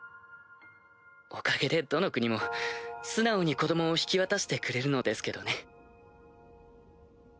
おかげでどの国も素直に子供を引き渡してくれるのですけどね。